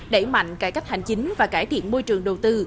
đẩy mạnh cải cách hành chính và cải thiện môi trường đầu tư